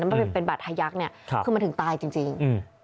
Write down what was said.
แล้วมันเป็นบัตรฮะยักษ์คือมันถึงตายจริง